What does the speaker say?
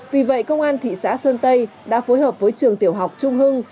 vì vậy công an thị xã sơn tây đã phối hợp với trường tiểu học trung hưng